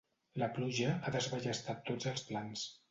La pluja ha desballestat tots els plans.